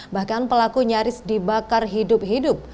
bahkan pelaku nyaris dibakar hidup hidup